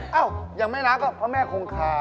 อย่างเช่นอย่างแม่น้ำก็เพราะแม่โครงคาร